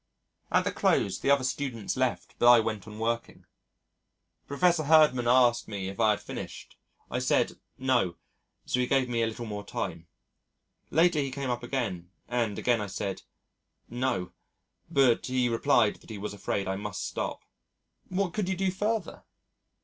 At the close the other students left but I went on working. Prof. Herdman asked me if I had finished. I said "No," so he gave me a little more time. Later he came up again, and again I said "No," but he replied that he was afraid I must stop. "What could you do further?"